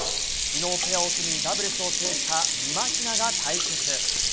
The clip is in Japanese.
昨日ペアを組みダブルスを制したみまひなが対決。